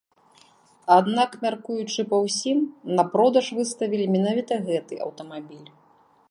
Аднак, мяркуючы па ўсім, на продаж выставілі менавіта гэты аўтамабіль.